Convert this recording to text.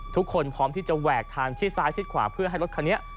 พร้อมที่จะแหวกทางชิดซ้ายชิดขวาเพื่อให้รถคันนี้